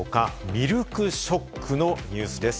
ミルクショックのニュースです。